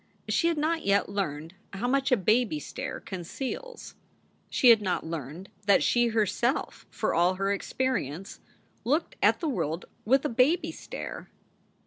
She had not yet learned how much a baby stare conceals. She had not learned that she her self, for all her experience, looked at the world with a baby stare.